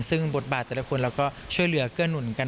ซึ่งบทบาทแต่ละคนเราก็ช่วยเหลือเกื้อหนุนกัน